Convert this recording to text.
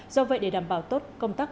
do vậy để đảm bảo tốt công tác